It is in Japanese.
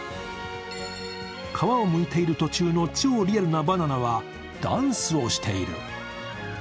皮をむいている途中の超リアルなバナナはダンスをしている。